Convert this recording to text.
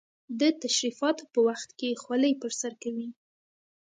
د تشریفاتو په وخت کې خولۍ پر سر کوي.